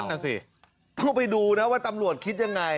ต้องไปดูนะว่าตำรวจคิดยังไง